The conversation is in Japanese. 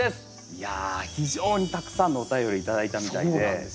いや非常にたくさんのお便り頂いたみたいで。